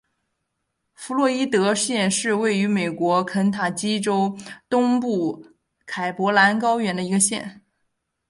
弗洛伊德县是位于美国肯塔基州东部坎伯兰高原的一个县。